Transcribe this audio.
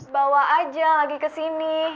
bawa aja lagi kesini